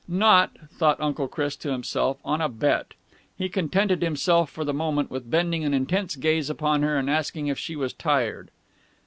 Not, thought Uncle Chris to himself, on a bet. He contented himself for the moment with bending an intense gaze upon her and asking if she was tired.